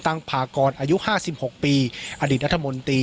พากรอายุ๕๖ปีอดีตรัฐมนตรี